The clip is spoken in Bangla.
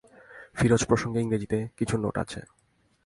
ফিরোজ প্রসঙ্গে ইংরেজিতে কিছু নোট আছে।